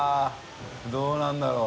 △どうなんだろう？